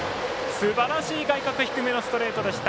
すばらしい外角低めのストレートでした。